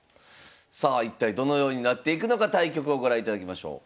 さあ一体どのようになっていくのか対局をご覧いただきましょう。